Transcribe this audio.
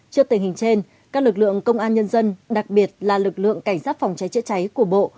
trước tình hình trên các lực lượng công an nhân dân đặc biệt là lực lượng cảnh sát phòng cháy chữa cháy của bộ